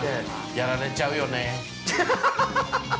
◆やられちゃうよね。